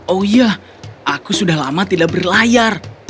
oh iya aku sudah lama tidak berlayar